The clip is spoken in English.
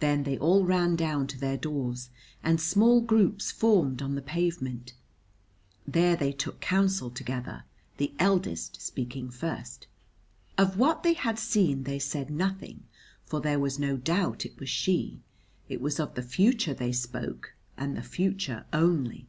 Then they all ran down to their doors, and small groups formed on the pavement; there they took counsel together, the eldest speaking first. Of what they had seen they said nothing, for there was no doubt it was she; it was of the future they spoke, and the future only.